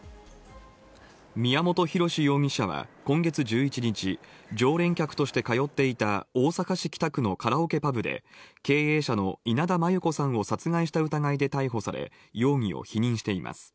宮本浩志容疑者は今月１１日常連客として通っていた大阪市北区のカラオケパブで経営者の稲田真優子さんを殺害した疑いで逮捕され容疑を否認しています。